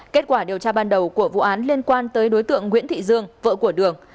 kết quả điều tra ban đầu của vụ án liên quan tới đối tượng nguyễn thị dương vợ của đường